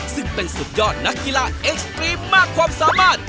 ซึ่งเป็นสุดยอดนักกีฬาเอ็กซ์ตรีมมากความสามารถ